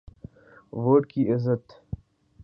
Vote کی عزت۔